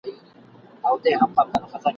په عامه توګه دا دليل ورکول کېږي